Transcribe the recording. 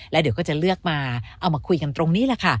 แล้วเดี๋ยวก็จะเลือกมาเอามาคุยกันตรงนี้แหละค่ะ